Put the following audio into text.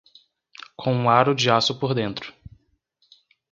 com um aro de aço por dentro